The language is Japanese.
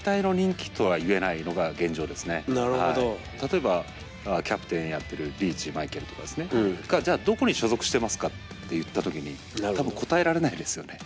例えばキャプテンやってるリーチマイケルとかですねがじゃあどこに所属してますかって言った時に多分答えられないですよね。